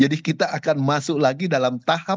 jadi kita akan masuk lagi dalam tahap